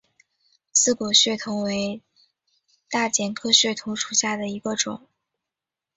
刺果血桐为大戟科血桐属下的一个种。